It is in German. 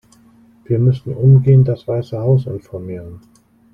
Wir müssen umgehend das Weiße Haus informieren.